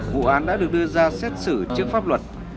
vụ án đã được đưa ra xét xử trước pháp luật